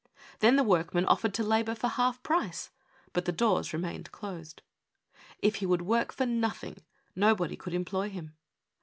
Then the workman offered to labor for half price, but the doors remained closed. If he would work for noth ing, nobody could employ him.